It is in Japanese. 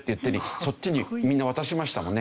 そっちにみんな渡しましたもんね。